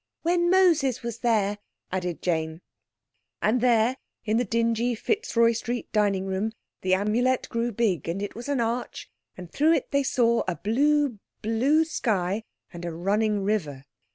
"When Moses was there," added Jane. And there, in the dingy Fitzroy Street dining room, the Amulet grew big, and it was an arch, and through it they saw a blue, blue sky and a running river.